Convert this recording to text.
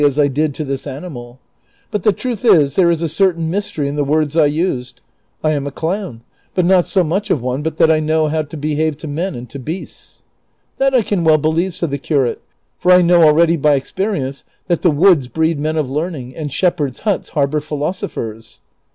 as I did to this animal ; but tlie truth is there is a certain mystery in the words I used. I am a clown, but not so much of one but that I know how to behave to men and to beasts." " That I can well believe," said the curate, " for I know already by experience that the woods breed men of learning, and shepherds' huts harbor philosophers."